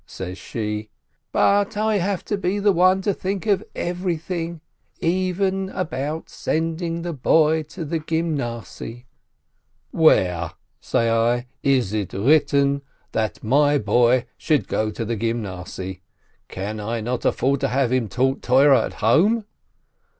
says she •/ 7 »/ "But I have to be the one to think of everything — even about sending the boy to the Gymnasiye !"— "Where," say I, "is it 'written' that my boy should go to the Gymnasiye? Can I not afford to have him taught Torah at home?"